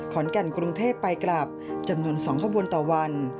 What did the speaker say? ขอนแก่นกรุงเทพฯไปกลับจำนวน๒ขบวนต่อวัน